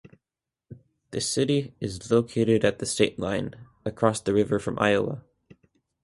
The city is located at the state line, across the river from Iowa.